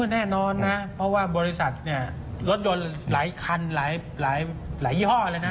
แน่นอนนะเพราะว่าบริษัทรถยนต์หลายคันหลายยอดเลยนะ